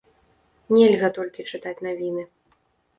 Нельга толькі чытаць навіны.